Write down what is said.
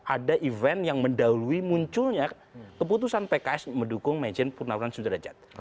ada event yang mendahului munculnya keputusan pks untuk mendukung mejen pernambangan